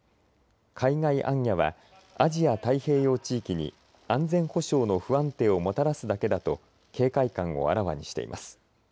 海外行脚はアジア太平洋地域に安全保障の不安定をもたらすだけだと警戒感をあらわにしています。